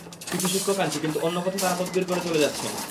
কিছু শিক্ষক আনছি, কিন্তু অন্য পথে তাঁরা তদবির করে চলে যাচ্ছেন।